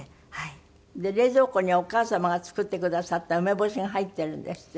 で冷蔵庫にお母様が作ってくださった梅干しが入ってるんですって？